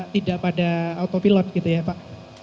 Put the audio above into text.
tidak pada autopilot gitu ya pak